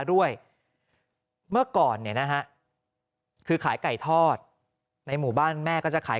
ด้วยเมื่อก่อนเนี่ยนะฮะคือขายไก่ทอดในหมู่บ้านแม่ก็จะขาย